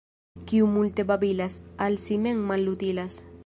Kiu multe babilas, al si mem malutilas.